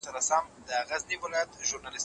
لیکل تر اورېدلو د کلمو په اصلاح کي مهم رول لري.